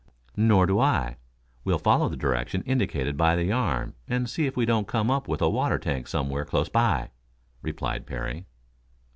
"Nor do I. We'll follow the direction indicated by the arm and see if we don't come up with a water tank somewhere close by," replied Parry.